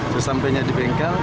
sesampainya di bengkel